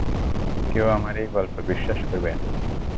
কেউ আমার এই গল্প বিশ্বাস করবে না।